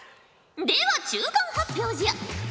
では中間発表じゃ。